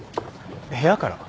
部屋から？